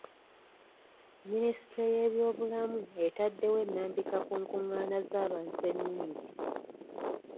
Minisitule y'ebyobulamu etaddewo ennambika ku nkungaana z'abantu ennungi.